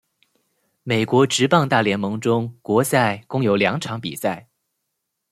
美国职棒大联盟中国赛共有两场比赛。